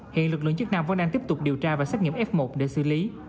hiện lực lượng chức năng vẫn đang tiếp tục điều tra và xét nghiệm f một để xử lý